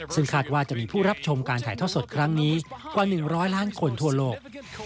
ซึ่งคาดว่าจะมีผู้รับชมการถ่ายทอดสดครั้งนี้กว่า๑๐๐ล้านคนทั่วโลก